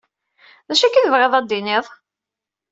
D acu akka i tebɣiḍ ad tiniḍ?